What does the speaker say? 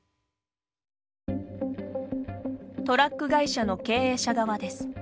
トラック会社の経営者側です。